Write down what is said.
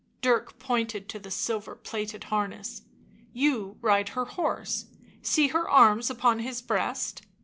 Dirk pointed to the silver plated harness. " You ride her horse. See her arms upon his breast.